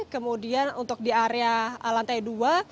kemudian untuk di area lantai dua